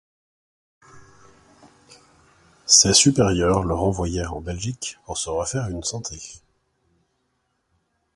Ses supérieurs le renvoyèrent en Belgique pour se refaire une santé.